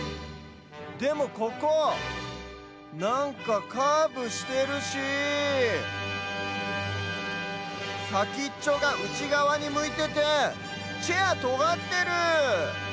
でもここなんかカーブしてるしさきっちょがうちがわにむいててチェアとがってる！